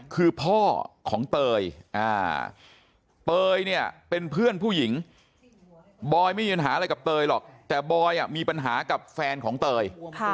คือพ่อของเตยเตยเนี่ยเป็นเพื่อนผู้หญิงบอยไม่มีปัญหาอะไรกับเตยหรอกแต่บอยมีปัญหากับแฟนของเตย